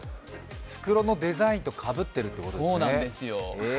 袋のデザインとかぶっているということですね。